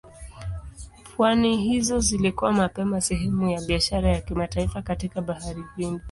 Pwani hizo zilikuwa mapema sehemu ya biashara ya kimataifa katika Bahari Hindi.